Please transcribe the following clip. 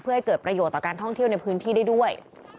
เพื่อให้เกิดประโยชน์ต่อการท่องเที่ยวในพื้นที่ได้ด้วย